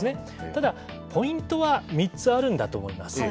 ただ、ポイントは３つあるんだと思います。